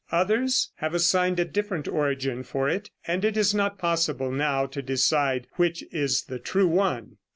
Others have assigned a different origin for it, and it is not possible now to decide which is the true one.